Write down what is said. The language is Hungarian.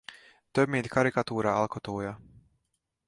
Több mint karikatúra alkotója.